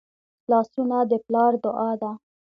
لاسونه د پلار دعا ده